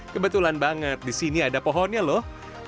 kebetulan banget di sini ada pohonnya loh